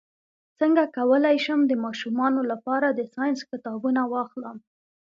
څنګه کولی شم د ماشومانو لپاره د ساینس کتابونه واخلم